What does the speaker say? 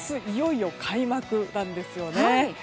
いよいよ開幕なんですよね。